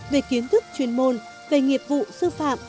về kiến thức chuyên môn về nghiệp vụ sư phạm